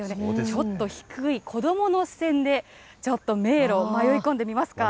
ちょっと低い子どもの視線で、ちょっと迷路、迷い込んでみますか。